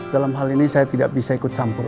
dalam hal ini saya tidak bisa ikut campur